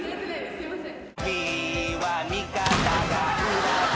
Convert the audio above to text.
すいません。